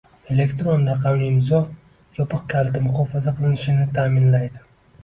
elektron raqamli imzo yopiq kaliti muhofaza qilinishini ta’minlaydi;